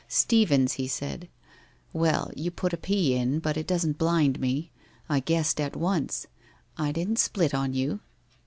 Steevens, he said. Well, you put a p in, but it doesn't blind me. I guessed at once. I didn't split on you.